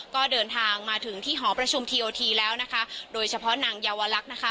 ก็เดินทางมาถึงที่หอประชุมทีโอทีแล้วนะคะโดยเฉพาะนางเยาวลักษณ์นะคะ